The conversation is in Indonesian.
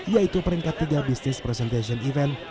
yaitu peringkat tiga business presengation event